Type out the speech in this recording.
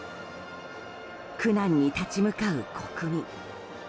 苦難に立ち向かう国民。